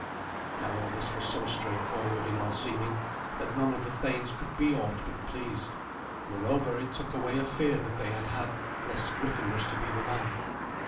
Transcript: Now all this was so straightforward in all seeming that none of the thanes could be aught but pleased. Moreover, it took away a fear that they had had lest Griffin was to be the man.